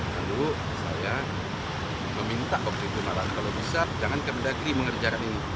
lalu saya meminta komite tumaran kalau bisa jangan ke mendagri mengerjakan ini